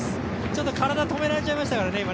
ちょっと体、止められちゃいましたからね。